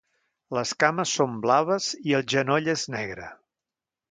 Les cames són blaves i el genoll és negre.